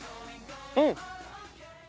うん！